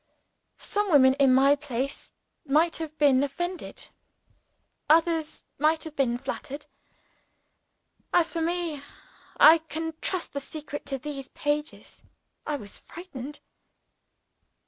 Some women, in my place, might have been offended; others might have been flattered. As for me I can trust the secret to these pages I was frightened.